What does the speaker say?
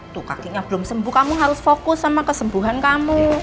tuh kakinya belum sembuh kamu harus fokus sama kesembuhan kamu